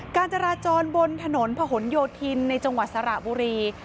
การจราจรบนถนนผนโยธินในจังหวัดสระบุรี